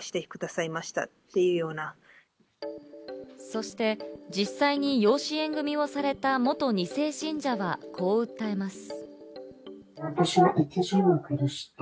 そして、実際に養子縁組をされた元２世信者はこう訴えます。